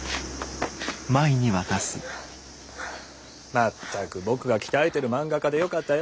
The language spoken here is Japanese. まったく僕が鍛えてる漫画家でよかったよ。